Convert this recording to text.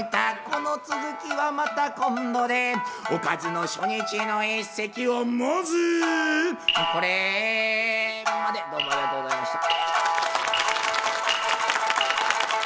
この続きはまた今度で「おかずの初日」の一席をまずこれまでどうもありがとうございました。